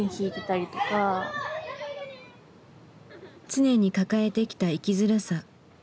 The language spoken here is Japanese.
常に抱えてきた生きづらさ。